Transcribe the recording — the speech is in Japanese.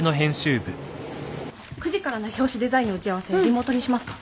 ９時からの表紙デザインの打ち合わせリモートにしますか？